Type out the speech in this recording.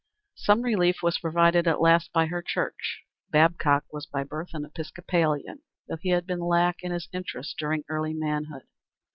Some relief was provided at last by her church. Babcock was by birth an Episcopalian, though he had been lax in his interest during early manhood.